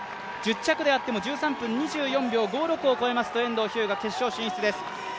１０着でも１３分２４秒５６を切りますと遠藤日向決勝進出です。